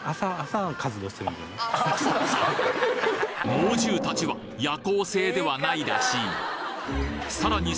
猛獣たちは夜行性ではないらしい！